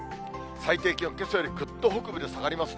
最低気温、けさよりぐっと北部で下がりますね。